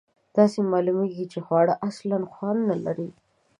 داسې معلومیږي چې خواړه اصلآ خوند نه لري.